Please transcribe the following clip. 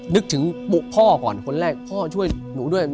นึกถึงพ่อก่อนคนแรกพ่อช่วยหนูด้วย